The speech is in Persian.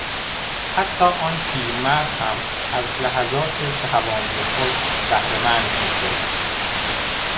حتی آن پیرمرد هم از لحظات شهوانی خود بهرهمند میشد.